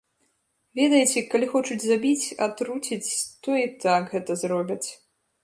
Ведаеце, калі хочуць забіць, атруціць, то і так гэта зробяць.